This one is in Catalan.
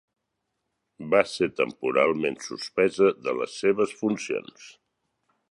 Va ser temporalment suspesa de les seves funcions.